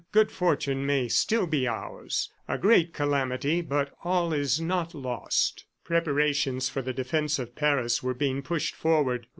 Good fortune may still be ours. A great calamity, but all is not lost." Preparations for the defense of Paris were being pushed forward ...